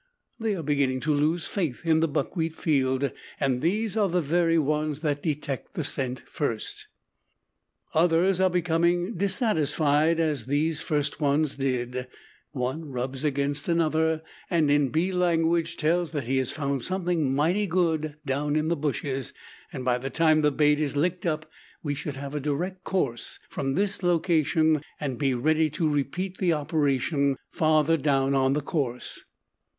They are beginning to lose faith in the buckwheat field and these are the very ones that detect the scent first. Others are becoming dissatisfied as these first ones did one rubs against another, and in bee language tells that he has found something mighty good down in the bushes, and by the time the bait is licked up we should have a direct course from this location and be ready to repeat the operation farther on the course.